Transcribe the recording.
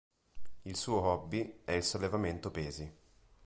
Il suo hobby è il sollevamento pesi.